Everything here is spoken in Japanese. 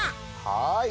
はい。